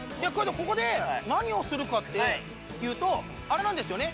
ここで何をするかっていうとあれなんですよね。